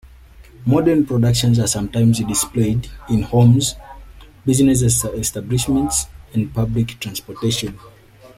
Modern reproductions are sometimes displayed in homes, business establishments, and public transportation.